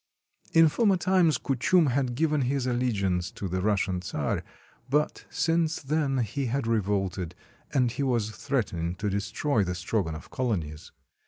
In former times Kuchum had given his allegiance to the Russian czar, but since then he had revolted, and he was threatening to destroy the Strogonoff colonies.